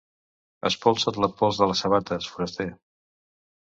Espolsa't la pols de les sabates, foraster.